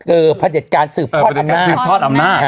เออผลิตการสืบทอดอำนาจ